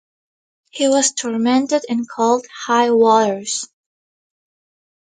He was tormented and called high waters.